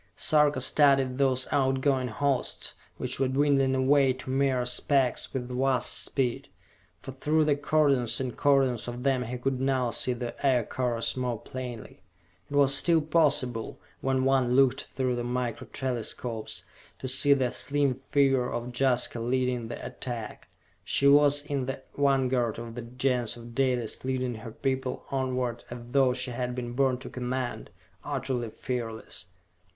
Sarka studied those outgoing hosts, which were dwindling away to mere specks with vast speed, for through the cordons and cordons of them he could now see the Aircars more plainly. It was still possible, when one looked through the Micro Telescopes, to see the slim figure of Jaska leading the attack. She was in the vanguard of the Gens of Dalis leading her people onward as though she had been born to command utterly fearless.